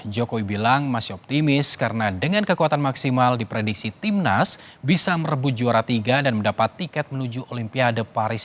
jokowi bilang masih optimis karena dengan kekuatan maksimal di prediksi timnas bisa merebut juara tiga dan mendapat tiket menuju olimpiade paris dua ribu dua puluh empat